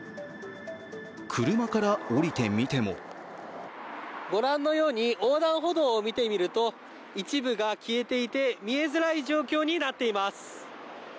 車から降りてみてもご覧のように横断歩道を見てみると、一部が消えていて、見えづらい状況になっています。